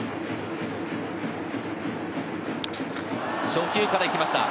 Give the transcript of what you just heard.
初球から行きました。